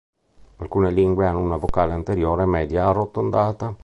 Alcune lingue hanno una vocale anteriore media arrotondata.